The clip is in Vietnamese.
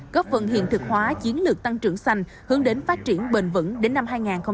góp phần hiện thực hóa chiến lược tăng trưởng xanh hướng đến phát triển bền vững đến năm hai nghìn ba mươi